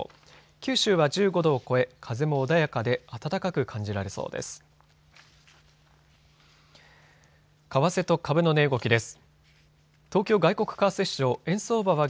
九州は１５度を超え風も穏やかで暖かく感じられそうです。